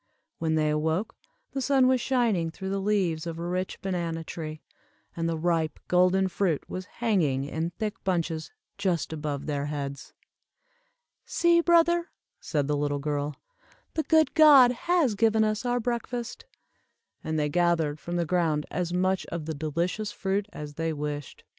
When they awoke, the sun was shining through the leaves of a rich banana tree, and the ripe golden fruit was hanging in thick bunches just above their heads. "See, brother," said the little girl, "the good God has given us our breakfast;" and they gathered from the ground as much of the delicious fruit as they wished.